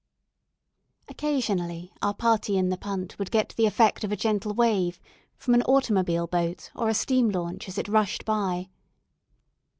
Occasionally our party in the punt would get the effect of a gentle wave from an automobile boat or a steam launch as it rushed by.